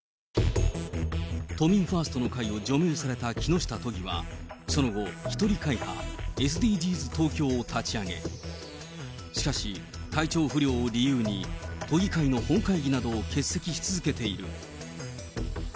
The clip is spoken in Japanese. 都民ファーストの会を除名された木下都議は、その後、一人会派、ＳＤＧｓ東京を立ち上げ、しかし、体調不良を理由に、都議会の本会議などを欠席し続けている。